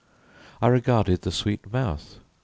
I regarded the sweet mouth.